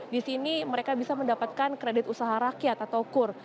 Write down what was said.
di sini mereka bisa mendapatkan kredit usaha rakyat atau kur